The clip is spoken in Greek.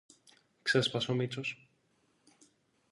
ξέσπασε ο Μήτσος.